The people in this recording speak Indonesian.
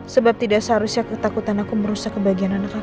sebab tidak seharusnya ketakutan aku merusak kebagian anak aku